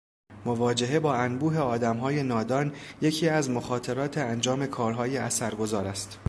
مواجهه با انبوه آدمهای نادان، یکی از مخاطرات انجام کارهای اثرگذار است